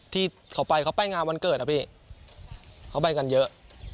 ที่เขาไปเขาไปงานวันเกิดนะพี่เขาไปกันเยอะ